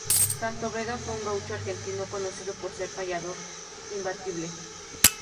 Santos Vega fue un gaucho argentino conocido por ser un payador imbatible.